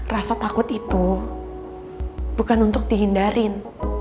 rasa takut itu bukan untuk dihindarin